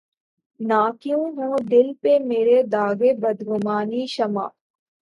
نہ کیوں ہو دل پہ مرے داغِ بدگمانیِ شمع